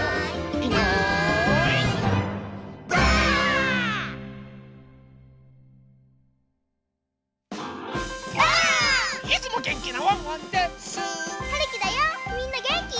みんなげんき？